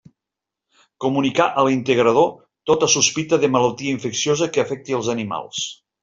Comunicar a l'integrador tota sospita de malaltia infecciosa que afecti els animals.